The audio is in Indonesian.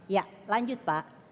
ya lanjut pak